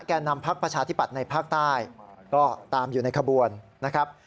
นำพักประชาธิปัตย์ในภาคใต้ก็ตามอยู่ในขบวนนะครับ